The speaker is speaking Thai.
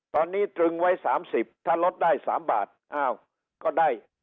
ตอนนี้ตรึงไว้สามสิบถ้ารถได้สามบาทอ้าวก็ได้